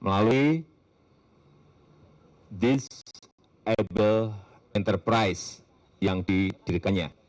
melalui disable enterprise yang didirikannya